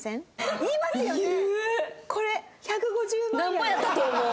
「なんぼやったと思う？